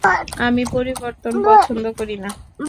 আমি পরিবর্তন পছন্দ করি না।